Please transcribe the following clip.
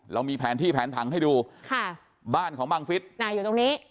เรามีแผนที่แผนผังให้ดูค่ะบ้านของบังฟิศอยู่ตรงนี้